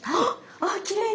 あきれいに。